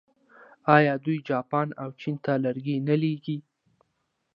آیا دوی جاپان او چین ته لرګي نه لیږي؟